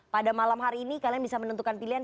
pada malam hari ini kalian bisa menentukan pilihan